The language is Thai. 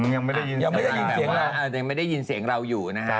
ยังไม่ได้ยินเหมือนก็ไม่ได้ยินเสียงเราอยู่